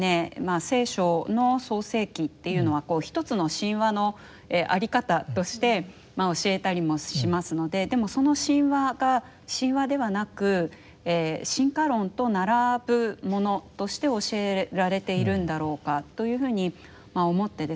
「聖書」の創世記っていうのは一つの神話の在り方として教えたりもしますのででもその神話が神話ではなく進化論と並ぶものとして教えられているんだろうかというふうに思ってですね